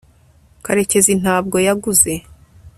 karekezi ntabwo yaguze